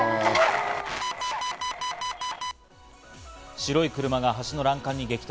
白い車が橋の欄干に激突。